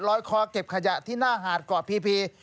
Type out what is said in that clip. ร้อยคอเก็บขยะที่หน้าหาดก่อพี